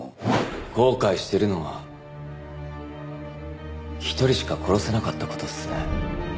後悔してるのは１人しか殺せなかった事っすね。